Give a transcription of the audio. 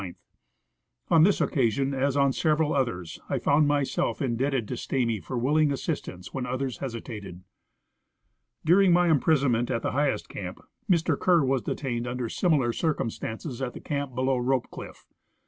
On this occasion, as on several others, I found myself indebted to Stamy for willing assistance when others hesitated. During my imprisonment at the highest camp, Mr. Kerr was detained under similar circumstances at the camp below Rope cliff.